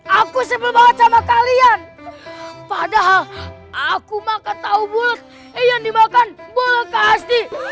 aduh aku sebelum baca maka kalian padahal aku makan tahu bulet yang dimakan boleh kasih